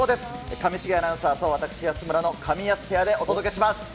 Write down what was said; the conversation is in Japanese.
上重アナウンサーと私、安村のカミヤスペアでお届けします。